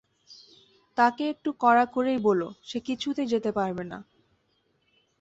তাকে একটু কড়া করেই বোলো, সে কিছুতেই যেতে পারবে না।